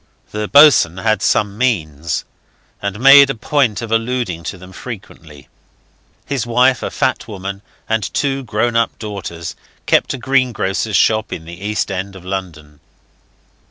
The boatswain had some means, and made a point of alluding to them frequently. His wife a fat woman and two grown up daughters kept a greengrocer's shop in the East end of London.